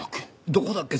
「どこだっけ」